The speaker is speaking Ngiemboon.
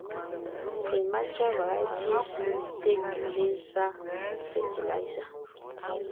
Premature varieties take lesser fertilizer.